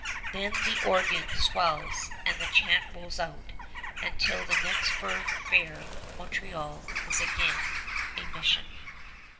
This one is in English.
Then the organ swells, and the chant rolls out, and till the next Fur Fair Montreal is again a mission.